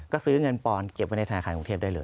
ก็ซื้อเงินปอนด์เก็บไว้ในธนาคารกรุงเทพได้เลย